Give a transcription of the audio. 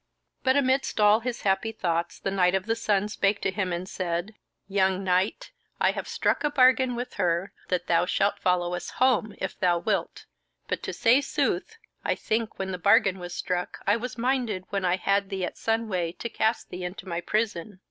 But amidst his happy thoughts the Knight of the Sun spake to him and said: "Young knight, I have struck a bargain with her that thou shalt follow us home, if thou wilt: but to say sooth, I think when the bargain was struck I was minded when I had thee at Sunway to cast thee into my prison.